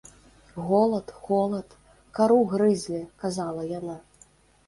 Голад, холад, кару грызлі, казала яна.